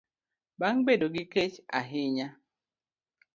bang' bedo gi kech ahinya.